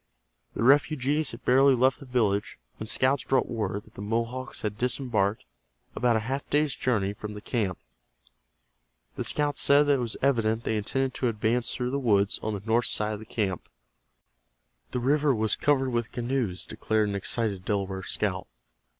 The refugees had barely left the village when scouts brought word that the Mohawks had disembarked about a half day's journey from the camp. The scouts said that it was evident they intended to advance through the woods on the north side of the camp. "The river was covered with canoes," declared an excited Delaware scout.